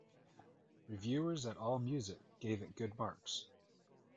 Reviewers at Allmusic gave it good marks.